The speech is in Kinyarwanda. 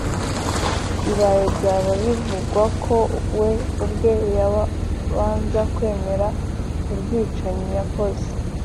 bibaye byaba bivuga ko we ubwe yabanza kwemera ubwicanyi yakoze.